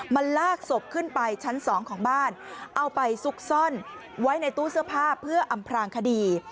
มันลากศพขึ้นไปชั้น๒ของบ้านเอาไปซุกซ่อนไว้ในตู้เสื้อผ้าเพื่ออำพลางคดี